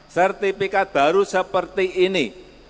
sertifikat baru seperti ini